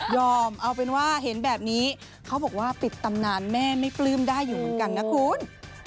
เอาเป็นว่าเห็นแบบนี้เขาบอกว่าปิดตำนานแม่ไม่ปลื้มได้อยู่เหมือนกันนะคุณ